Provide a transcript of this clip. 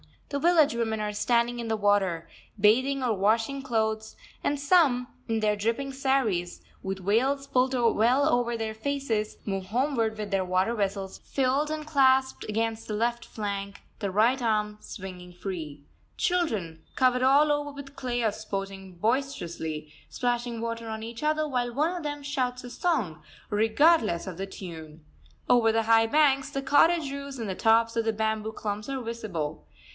The village women are standing in the water, bathing or washing clothes; and some, in their dripping saris, with veils pulled well over their faces, move homeward with their water vessels filled and clasped against the left flank, the right arm swinging free. Children, covered all over with clay, are sporting boisterously, splashing water on each other, while one of them shouts a song, regardless of the tune. Over the high banks, the cottage roofs and the tops of the bamboo clumps are visible.